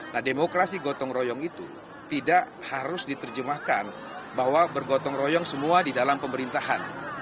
nah demokrasi gotong royong itu tidak harus diterjemahkan bahwa bergotong royong semua di dalam pemerintahan